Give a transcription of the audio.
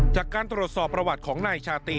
จากการตรวจสอบประวัติของนายชาตรี